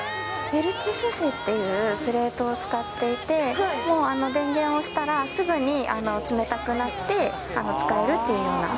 ペルチェ素子というプレートを使っていて、電源を押したらすぐに、冷たくなって使えるっていうような。